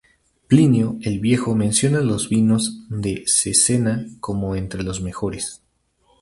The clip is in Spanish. Plinio el Viejo menciona los vinos de Cesena como entre los mejores.